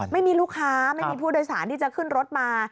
ไม่มีลูกค้าไม่มีผู้โดยสารที่จะขึ้นรถมา